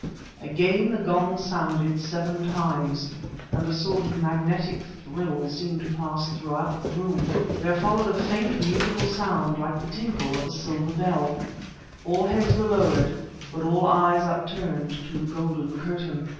Again the gong sounded seven times, and a sort of magnetic thrill seemed to pass throughout the room. There followed a faint, musical sound, like the tinkle of a silver bell. All heads were lowered, but all eyes upturned to the golden curtain.